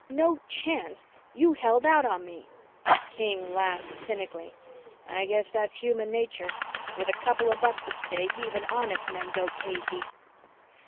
No chance! You held out on me." King laughed cynically. "I guess that's human nature. With a couple of bucks at stake even honest men go cagey."